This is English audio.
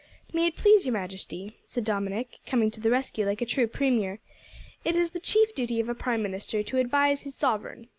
"May it please your Majesty," said Dominick, coming to the rescue like a true premier, "it is the chief duty of a prime minister to advise his sovereign.